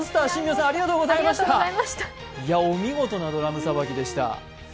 お見事なドラムさばきでした。